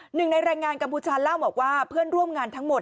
หนึ่งในแรงงานกัมพูชาเล่าบอกว่าเพื่อนร่วมงานทั้งหมด